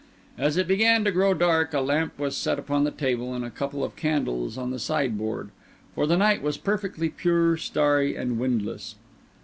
As it began to grow dark a lamp was set upon the table and a couple of candles on the sideboard; for the night was perfectly pure, starry, and windless.